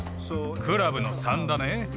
クラブの３だね？